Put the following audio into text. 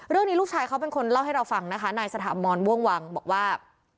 เรื่องนี้ลูกชายเขาเป็นคนเล่าให้เราฟังนะคะในสถามรวงวังบอกว่า